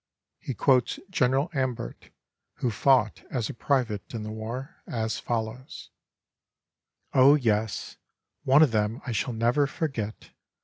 He quotes General Ambert, who fought as a private in the war, as follows: "Oh, yes; one of them I shall never forget.